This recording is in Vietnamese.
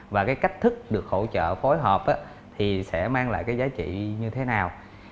và cái cách thức được hỗ trợ phối hợp thì sẽ mang lại cái giá trị như thế nào